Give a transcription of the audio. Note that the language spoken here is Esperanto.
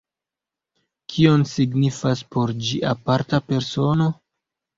Kion signifas por ĝi aparta persono?